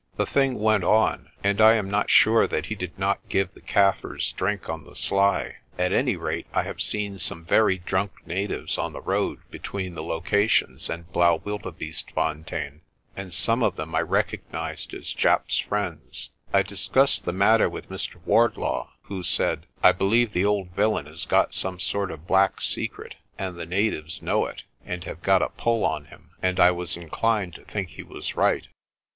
The thing went on, and I am not sure that he did not give the Kaffirs drink on the sly. At any rate, I have seen some very drunk natives on the road between the locations and Blaauwildebeestefontein, and some of them I recog nised as Japp's friends. I discussed the matter with Mr. Wardlaw, who said, "I believe the old villain has got some sort of black secret, and the natives know it, and have got a pull on him." And I was inclined to think he was right.